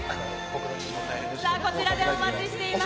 こちらでお待ちしています。